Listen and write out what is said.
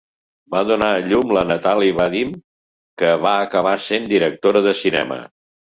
Va donar a llum la Nathalie Vadim, que va acabar sent directora de cinema.